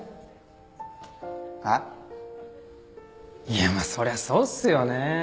いやそりゃそうっすよね。